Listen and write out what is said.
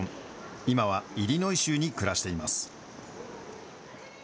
今はイリノイ州に暮らしています。